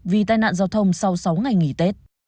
vì tai nạn giao thông sau sáu ngày nghỉ tết